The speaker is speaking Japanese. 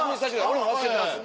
俺忘れてます。